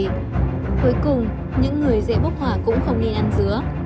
cuối cùng những người dễ bốc hỏa cũng không nên ăn dứa